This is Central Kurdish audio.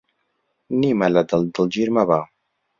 نیمە لە دڵ، دڵگیر مەبە